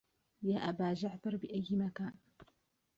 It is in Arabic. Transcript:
يا أبا جعفر بأي مكان